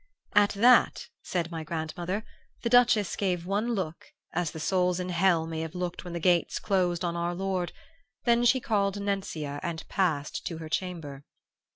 "At that, said my grandmother, the Duchess gave one look, as the souls in hell may have looked when the gates closed on our Lord; then she called Nencia and passed to her chamber.